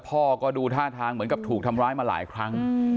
พ่อก็ดูท่าทางเหมือนกับถูกทำร้ายมาหลายครั้ง